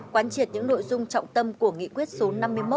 quán triệt những nội dung trọng tâm của nghị quyết số năm mươi một